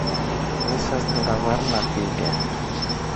Ίσα στην ταβέρνα πήγε.